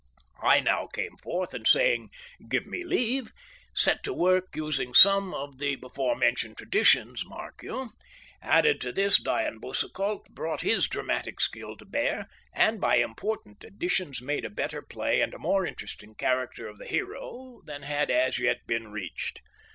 I now came forth, and saying, "Give me leave," set to work, using some of the before mentioned tradition, mark you. Added to this, Dion Boucicault brought his dramatic skill to bear, and by important additions made a better play and a more interesting character of the hero than had as yet been reached.